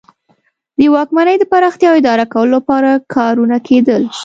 د واکمنۍ د پراختیا او اداره کولو لپاره کارونه کیدل.